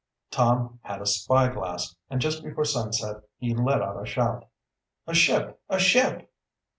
Tom had a spyglass, and just before sunset he let out a shout: "A ship! A ship!"